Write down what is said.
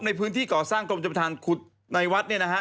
ในพื้นที่ก่อสร้างกรมจับประทานขุดในวัด